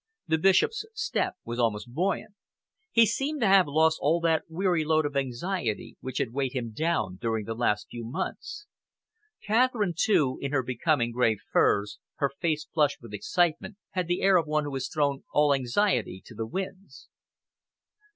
The Bishop's step was almost buoyant. He seemed to have lost all that weary load of anxiety which had weighed him down during the last few months. Catherine, too, in her becoming grey furs, her face flushed with excitement, had the air of one who has thrown all anxiety to the winds.